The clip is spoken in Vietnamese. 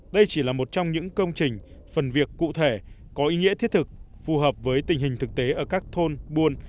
đây chỉ là một trong những công trình phần việc cụ thể có ý nghĩa thiết thực phù hợp với tình hình thực tế ở các thôn buôn